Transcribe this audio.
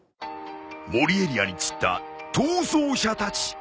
森エリアに散った逃走者たち。